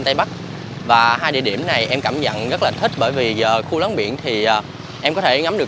tây bắc và hai địa điểm này em cảm nhận rất là thích bởi vì giờ khu láng biển thì em có thể ngắm được